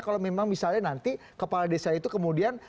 kalau memang misalnya nanti kepala desa itu kemudian